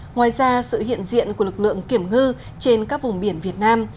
ngoài ra sự hiện diện của lực lượng kiểm ngư trên các vùng biển việt nam